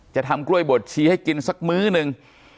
จะทำกล้วยบดชี้ให้กินสักมื้อหนึ่ง